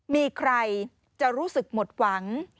มีใครจะรู้สึกหมดหวัง